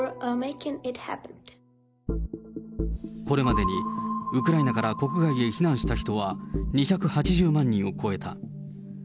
これまでにウクライナから国外へ避難した人は２８０万人を超えた。